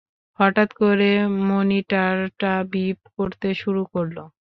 হঠাৎ করে মনিটারটা বিপ করতে শুরু করলো।